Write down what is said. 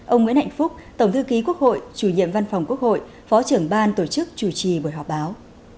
ông nguyễn hạnh phúc tổng thư ký quốc hội chủ nhiệm văn phòng quốc hội phó trưởng ban tổ chức chủ trì buổi họp báo